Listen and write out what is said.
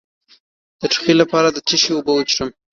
د ټوخي لپاره د څه شي اوبه وڅښم؟